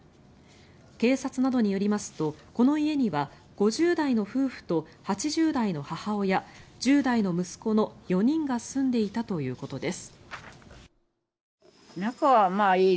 警察などによりますとこの家には５０代の夫婦と８０代の母親１０代の息子の４人が住んでいたということです。